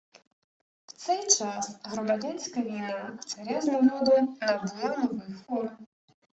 В цей час громадянська війна царя з народом набула нових форм